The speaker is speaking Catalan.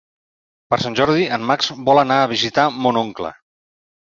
Per Sant Jordi en Max vol anar a visitar mon oncle.